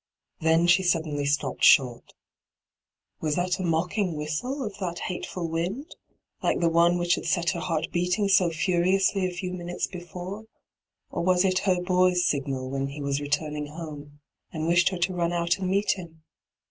Then she suddenly stopped short. Was that a mocking whistle of that hateiiil wind, like the one which had set her heart beating so furiously a few minutes before ; or was it ' her boy's ' signal when he was returning home, and wished her to run out and meet him